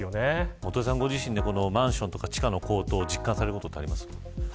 元榮さん、ご自身でマンションとか地価の高騰を実感されることはありますか。